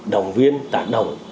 đồng viên tác động